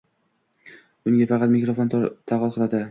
Bunga faqat mikrofon toqat qiladi.